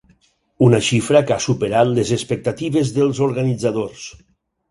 Una xifra que ha superat les expectatives dels organitzadors.